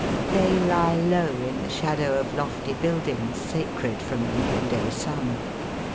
They lie low in the shadow of lofty buildings sacred from the noonday sun.